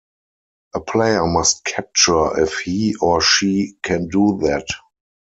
A player must capture if he or she can do that.